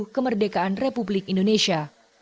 kemerdekaan republik indonesia